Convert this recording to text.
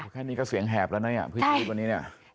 แค่นี้ก็เสียงแหบแล้วนะเนี่ยเพื่อชีวิตวันนี้เนี่ย